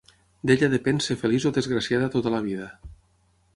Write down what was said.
D'ella depèn ser feliç o desgraciada tota la vida;